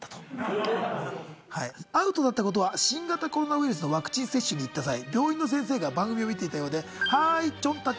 アウトだったことは新型コロナウイルスのワクチン接種に行った際病院の先生が番組を見ていたようで。